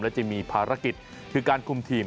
และจะมีภารกิจคือการคุมทีม